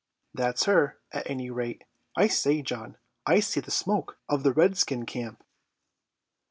"That's her, at any rate. I say, John, I see the smoke of the redskin camp!"